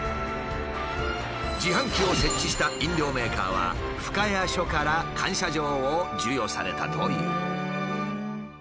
自販機を設置した飲料メーカーは深谷署から感謝状を授与されたという。